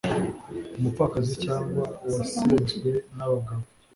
umupfakazi cyangwa uwasenzwe nabagabo